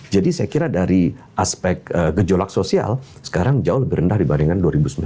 jadi saya kira dari aspek gejolak sosial sekarang jauh lebih rendah dibandingkan dua ribu sembilan belas